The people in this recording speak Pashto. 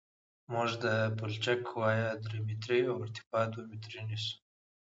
موږ د پلچک وایه درې متره او ارتفاع دوه متره نیسو